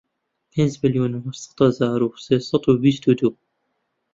پێنج ملیۆن و هەشت سەد هەزار و سێ سەد و بیست و دوو